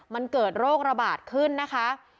มันเกิดโรคระบาดขึ้นนะคะ